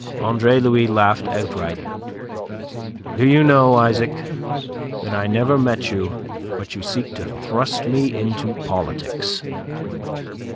Andre Louis laughed outright. "Do you know, Isaac, that I never meet you but you seek to thrust me into politics?"